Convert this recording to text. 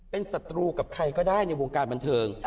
เป็นศัตรูกับใครก็ได้ในวงการบันเทิง